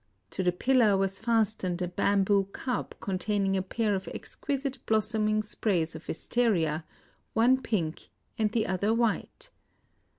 To the pillar was fastened a bamboo cup containing a pair of exquisite blossoming sprays of wistaria, — one pink and the other white.